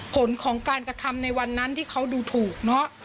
ผลของการกระทำในวันนั้นที่เขาดูถูกเนอะ